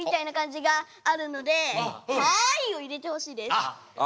あ！